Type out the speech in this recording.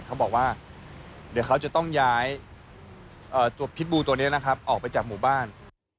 เขาบอกว่าเดี๋ยวเขาจะต้องย้ายตัวพิษบูตัวนี้นะครับออกไปจากหมู่บ้าน